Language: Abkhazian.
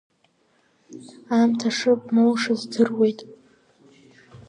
Аамҭа шыбмоуша здыруеит.